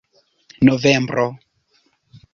novembro